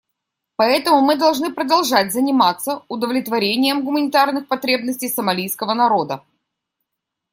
Поэтому мы должны продолжать заниматься удовлетворением гуманитарных потребностей сомалийского народа.